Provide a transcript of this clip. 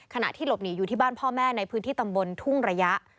ขณะที่หลบหนีอยู่ที่บ้านพ่อแม่ในพื้นที่ตำบลทุ่งระยะ